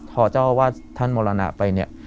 พ่อเจ้าอาวาสท่านมรณะไป